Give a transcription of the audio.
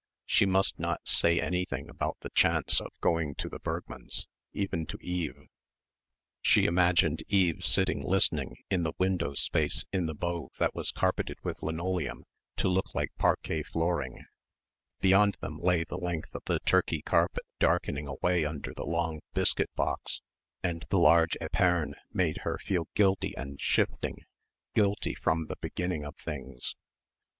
She must not say anything about the chance of going to the Bergmanns' even to Eve. She imagined Eve sitting listening in the window space in the bow that was carpeted with linoleum to look like parquet flooring. Beyond them lay the length of the Turkey carpet darkening away under the long table. She could see each object on the shining sideboard. The silver biscuit box and the large épergne made her feel guilty and shifting, guilty from the beginning of things.